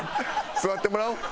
座ってもらおう。